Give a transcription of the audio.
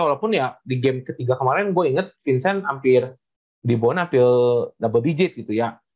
walaupun ya di game ketiga kemarin gue inget vincent hampir di bona pil double digit gitu ya